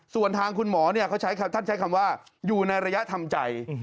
ส่วนทางคุณหมอเขาใช้ท่านใช้คำว่าอยู่ในระยะทำใจ